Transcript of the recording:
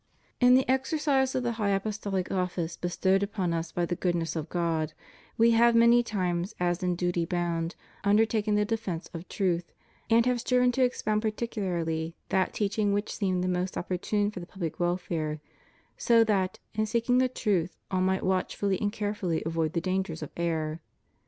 In the exercise of the high Apostolic office bestowed upon Us by the goodness of God, We have many times, as in duty bound, undertaken the defence of truth, and have striven to expound particularly that teaching which seemed the most opportune for the public welfare, so that, in seeking the truth, all might watchfully and care fully avoid the dangers of error.